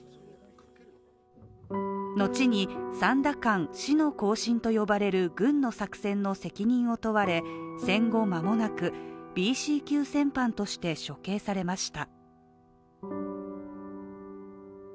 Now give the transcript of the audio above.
後にサンダカン死の行進と呼ばれる軍の作戦の責任を問われ、戦後、まもなくＢＣ級戦犯として処刑されました。